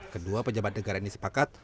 kedua pejabat negara ini sepakat